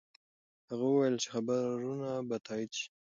هغه وویل چې خبرونه به تایید شي.